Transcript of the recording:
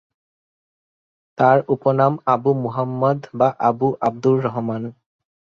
তার উপনাম আবু মুহাম্মাদ বা আবু আবদুর রহমান।